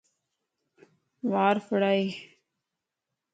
وار ڦڙائي.